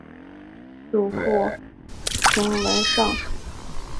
祖父靳文昺。